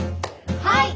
はい！